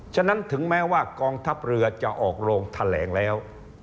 ฉะนั้นถึงแม้ว่ากองทัพเรือจะออกโรงแถลงแล้ว